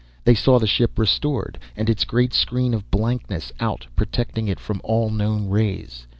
They saw the ship restored, and its great screen of blankness out, protecting it from all known rays.